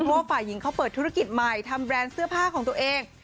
เพราะว่าฝ่ายหญิงเขาเปิดธุรกิจใหม่ทำแบรนด์เสื้อผ้าของตัวเอง